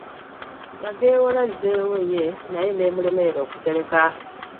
Yageewola azzeewo ye naye n'emulemerera okusereka.